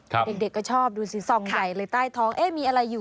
เด็กก็ชอบดูสิส่องใหญ่เลยใต้ท้องเอ๊ะมีอะไรอยู่